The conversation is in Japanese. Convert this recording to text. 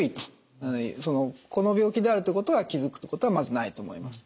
この病気であるということは気付くことはまずないと思います。